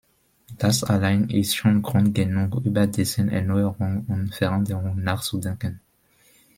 Das allein ist schon Grund genug, über dessen Erneuerung und Veränderung nachzudenken.